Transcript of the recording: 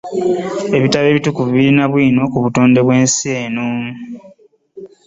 Ebitubo ebitukuvu birina bwino ku buttone bwensi eno.